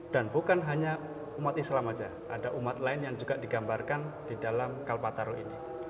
dan bukan hanya umat islam saja ada umat lain yang juga digambarkan di dalam kalpataru ini